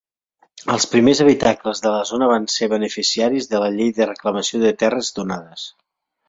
Els primers habitacles de la zona van ser beneficiaris de la Llei de reclamació de terres donades.